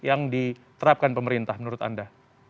yang diterapkan pemerintah menurut anda